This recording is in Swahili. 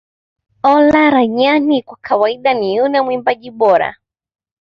Olaranyani kwa kawaida ni yule mwimbaji bora